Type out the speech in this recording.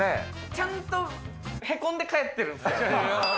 ちゃんとへこんで帰ってるんですよ。